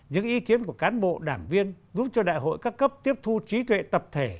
những ý kiến của cán bộ đảng viên giúp cho đại hội các cấp tiếp thu trí tuệ tập thể